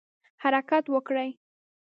حرکت وکړي.